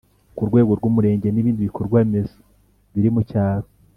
Ku rwego rw’Umurenge, N’ibindi bikorwaremezo biri mu cyaro